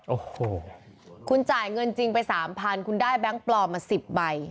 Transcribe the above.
โอ้โหคุณจ่ายเงินจริงไป๓๐๐คุณได้แบงค์ปลอมมา๑๐ใบ